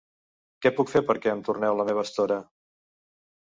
Què puc fer perquè em torneu la meva estora?